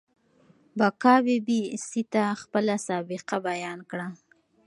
بکا بي بي سي ته خپله سابقه بيان کړه.